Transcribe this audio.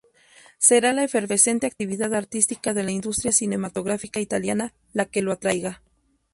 Será la efervescente actividad artística de la industria cinematográfica italiana la que lo atraiga.